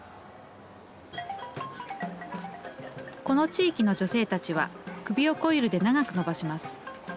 「この地域の女性たちは首をコイルで長く伸ばします。